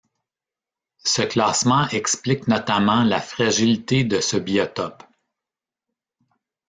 Ce classement explique notamment la fragilité de ce biotope.